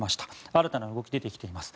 新たな動きが出てきています。